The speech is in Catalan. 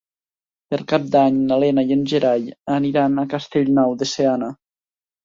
Per Cap d'Any na Lena i en Gerai aniran a Castellnou de Seana.